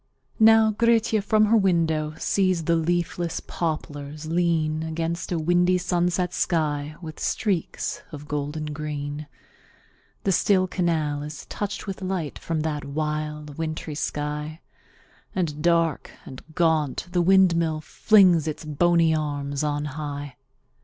Now Grietje from her window sees the leafless poplars lean Against a windy sunset sky with streaks of golden green; The still canal is touched with light from that wild, wintry sky, And, dark and gaunt, the windmill flings its bony arms on high.